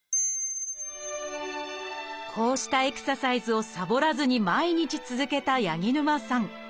こうしたエクササイズをサボらずに毎日続けた八木沼さん。